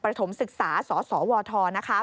ถมศึกษาสสวทนะคะ